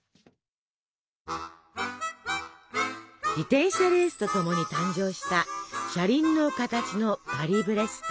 自転車レースとともに誕生した車輪の形のパリブレスト。